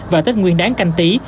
và tết nguyên đáng canh tí